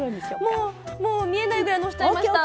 もうもう見えないぐらいのせちゃいました。